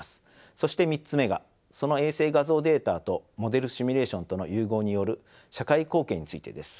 そして３つ目がその衛星画像データとモデルシミュレーションとの融合による社会貢献についてです。